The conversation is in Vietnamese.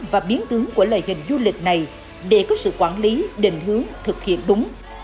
và biến tướng của lời hình du lịch này để có sự quản lý định hướng thực hiện đúng